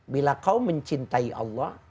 bila kau mencintai allah